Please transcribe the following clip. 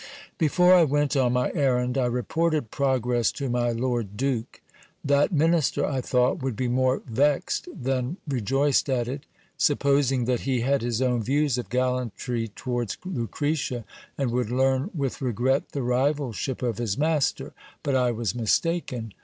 Before I went on my errand, I reported progress to my lord duke. That minister, I thought, would be more vexed than rejoiced at it ; supposing that he had his own views of gallantry towards Lucretia, and would learn with regret the rivalship of his master ; but I was mistaken.